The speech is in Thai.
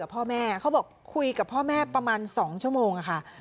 เขาคุยกับพ่อแม่เขาบอกคุยกับพ่อแม่ประมาณสองชั่วโมงค่ะ